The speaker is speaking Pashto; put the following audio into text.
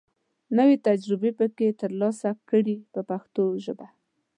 نوې تجربې پکې تر لاسه کړي په پښتو ژبه.